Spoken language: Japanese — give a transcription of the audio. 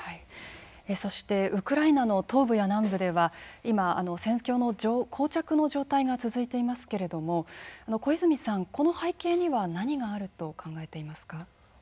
そして、ウクライナの東部や南部では今、戦況のこう着の状態が続いていますけれども小泉さん、この背景には何があると考えていますか？